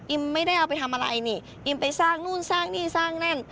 ไม่ได้เอาไปทำอะไรนี่อิมไปสร้างนู่นสร้างนี่สร้างนั่น